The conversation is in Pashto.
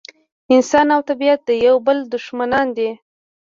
انسان او طبیعت د یو بل دښمنان نه دي.